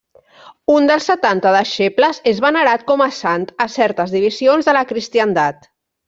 Un dels Setanta deixebles, és venerat com a sant a certes divisions de la cristiandat.